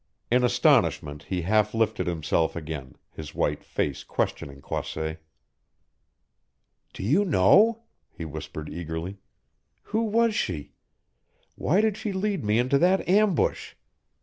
In astonishment he half lifted himself again, his white face questioning Croisset. "Do you know?" he whispered eagerly. "Who was she? Why did she lead me into that ambush?